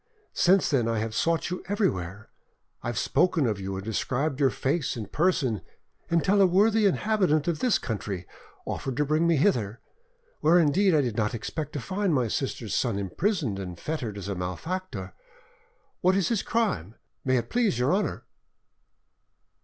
Since then I have sought you everywhere; I have spoken of you, and described your face and person, until a worthy inhabitant of this country offered to bring me hither, where indeed I did not expect to find my sister's son imprisoned and fettered as a malefactor. What is his crime, may it please your honour?"